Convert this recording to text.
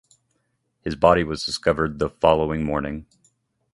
His body was discovered the following morning.